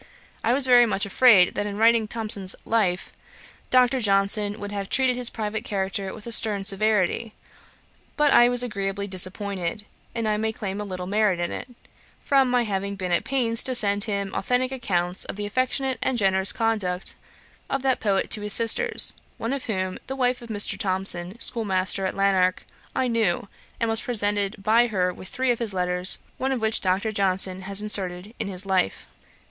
I was very much afraid that in writing Thomson's Life, Dr. Johnson would have treated his private character with a stern severity, but I was agreeably disappointed; and I may claim a little merit in it, from my having been at pains to send him authentick accounts of the affectionate and generous conduct of that poet to his sisters, one of whom, the wife of Mr. Thomson, schoolmaster at Lanark, I knew, and was presented by her with three of his letters, one of which Dr. Johnson has inserted in his Life.